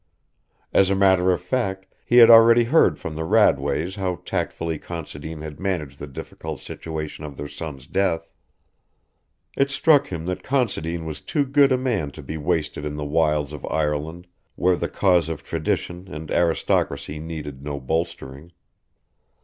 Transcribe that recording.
As a matter of fact he had already heard from the Radways how tactfully Considine had managed the difficult situation of their son's death. It struck him that Considine was too good a man to be wasted in the wilds of Ireland where the cause of tradition and aristocracy needed no bolstering.